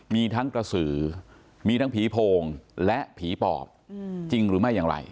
มีทั้งกระสือมีทั้งผีโพงและผีปอบจริงหรือไม่อย่างไร